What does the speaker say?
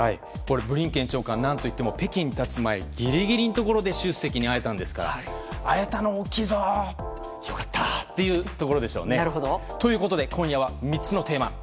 ブリンケン長官何といっても北京に発つ前ギリギリのところで習主席に会えたんですが会えたのは大きいぞ良かったというところでしょうね。ということで今夜は３つのテーマ。